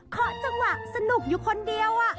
จังหวะสนุกอยู่คนเดียว